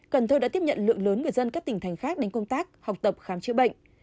cần thơ đã tiếp nhận lượng lớn người dân các tỉnh thành khác đến công tác học tập khám chữa bệnh